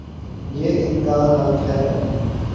یہ ان کا حق ہے۔